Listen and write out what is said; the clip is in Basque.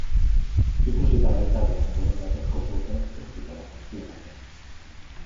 Ikusita baitago borondatezko kuotek ez dutela funtzionatzen.